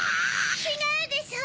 ちがうでしょ！